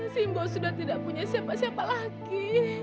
simbol sudah tidak punya siapa siapa lagi